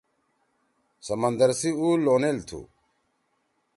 سمندر سی اُو لونِل تُھو۔